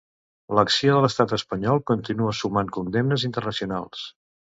L'acció de l'Estat espanyol continua sumant condemnes internacionals.